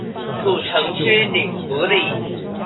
土城區頂福里